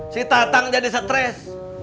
si tatang jadi stres